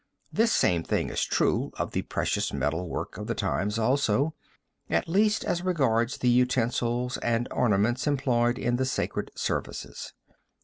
This same thing is true of the precious metal work of the times also, at least as regards the utensils and ornaments employed in the sacred services.